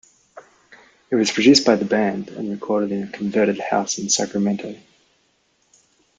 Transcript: It was produced by the band and recorded in a converted house in Sacramento.